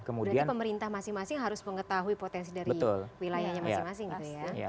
berarti pemerintah masing masing harus mengetahui potensi dari wilayahnya masing masing gitu ya